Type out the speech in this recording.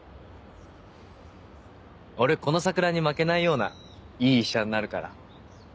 俺この桜に負けないようないい医者になるから。